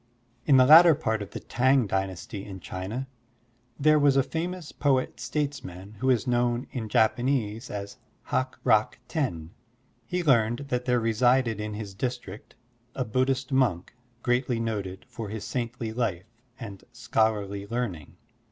In the latter part of the T'ang Dynasty in China, there was a famous poet statesman who is known in Japanese as Hak Rak Ten. He learned that there resided in his district a Buddhist monk greatly noted for his saintly life and schol arly learning.